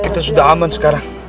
kita sudah aman sekarang